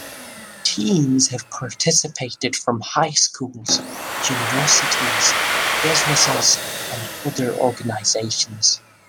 Teams have participated from high schools, universities, businesses and other organizations.